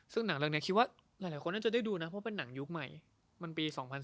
ซึ่งหนังเรื่องนี้คิดว่าหลายคนน่าจะได้ดูนะเพราะเป็นหนังยุคใหม่มันปี๒๐๑๘